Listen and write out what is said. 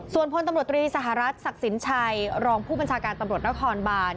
ส่วนพลตำรวจตรีสหรัฐศักดิ์สินชัยรองผู้บัญชาการตำรวจนครบาน